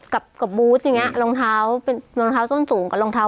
กับบูธอย่างนี้รองเท้าเป็นรองเท้าส้นสูงกับรองเท้า